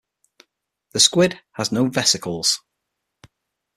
The squid has no vesicles.